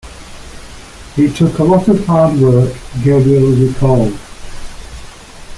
"It took a lot of hard work," Gabriel recalled.